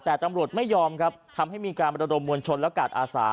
แต่ตำรวจไม่ยอมครับทำให้มีการประดมมวลชนและกาดอาสา